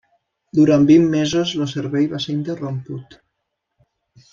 Durant vint mesos el servei va ser interromput.